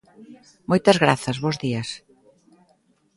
Moitas grazas, bos días.